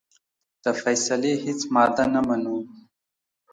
د فیصلې هیڅ ماده نه منو.